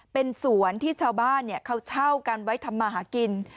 เป็นสวนที่ชาวบ้านเขาเช่ากันไว้ทำมาหากิน